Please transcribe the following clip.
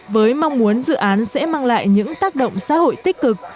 với mong muốn dự án sẽ mang lại những tác động xã hội tích cực